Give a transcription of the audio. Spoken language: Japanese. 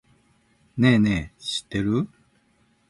ねぇねぇ、知ってる？